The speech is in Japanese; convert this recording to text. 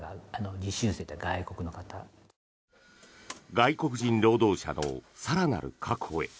外国人労働者の更なる確保へ。